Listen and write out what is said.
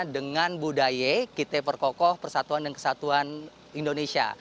dengan budaya kita perkokoh persatuan dan kesatuan indonesia